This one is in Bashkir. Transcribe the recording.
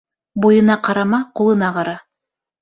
Буйына ҡарама, ҡулына ҡара.